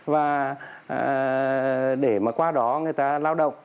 và để mà qua đó người ta lao động